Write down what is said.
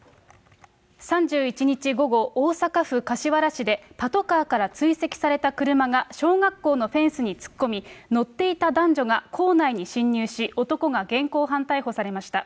３１日午後、大阪府柏原市でパトカーから追跡された車が小学校のフェンスに突っ込み、乗っていた男女が校内に侵入し、男が現行犯逮捕されました。